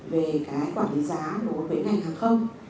về cái quản lý giá đối với ngành hàng không